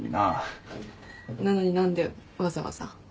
なのに何でわざわざ？